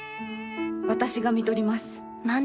私が看取ります。